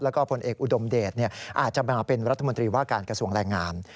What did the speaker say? แล้วก็ผลเอกอุดมเดชอาจจะมาเป็นรัฐมนตรีว่าการกระทรวงแรงงาน